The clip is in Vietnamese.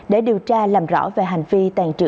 để điều tra làm rõ về hành vi